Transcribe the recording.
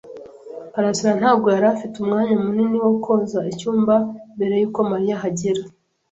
karasira ntabwo yari afite umwanya munini wo koza icyumba mbere yuko Mariya ahagera.